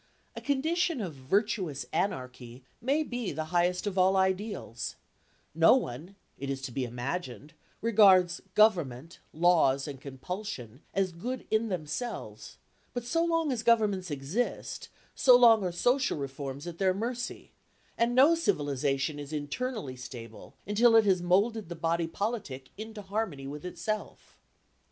A condition of virtuous anarchy may be the highest of all ideals; no one, it is to be imagined, regards government, laws and compulsion as good in themselves; but so long as governments exist, so long are social reforms at their mercy, and no civilisation is internally stable until it has moulded the body politic into harmony with itself.